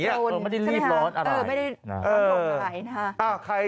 มันไม่ได้รีบร้อนไม่ได้รีบร้อนอะไร